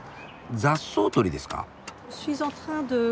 雑草取りですか？